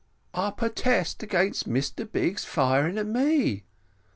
"I purtest against Mr Biggs firing at me."